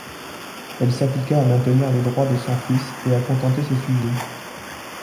Elle s’appliqua à maintenir les droits de son fils et à contenter ses sujets.